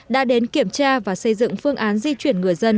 đã đến kiểm tra và xây dựng phương án di chuyển người dân